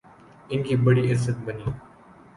ان کی بڑی عزت بنی۔